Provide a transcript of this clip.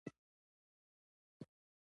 د کیوبا پاچاهۍ ترڅنګ د کانګو موقعیت راښيي.